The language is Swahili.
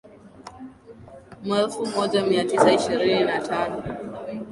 mwelfu moja mia tisa ishirini na tano